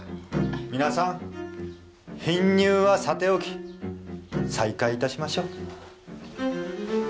皆さん貧乳はさておき再開致しましょう。